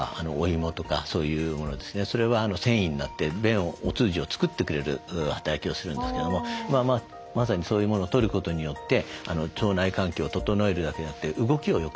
それは繊維になって便をお通じを作ってくれる働きをするんですけどもまさにそういうものをとることによって腸内環境を整えるだけでなくて動きをよくしてくれます。